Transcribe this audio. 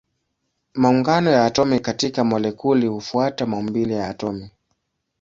Maungano ya atomi katika molekuli hufuata maumbile ya atomi.